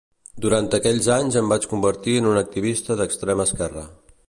Durant aquells anys em vaig convertir en un activista d’extrema esquerra.